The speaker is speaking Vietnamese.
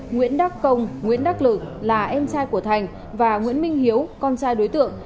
nguyễn đắc công nguyễn đắc lực là em trai của thành và nguyễn minh hiếu con trai đối tượng